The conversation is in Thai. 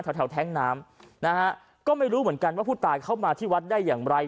แถวแท้งน้ำนะฮะก็ไม่รู้เหมือนกันว่าผู้ตายเข้ามาที่วัดได้อย่างไร